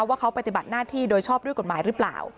ว่าเขาปฏิบัติหน้าที่โดยชอบด้วยกฎหมายหรือเปล่า